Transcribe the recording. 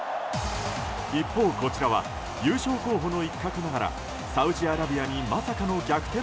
一方、こちらは優勝候補の一角ながらはサウジアラビアにまさかの逆転